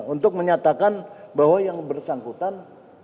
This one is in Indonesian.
untuk menyatakan bahwa yang bersangkutan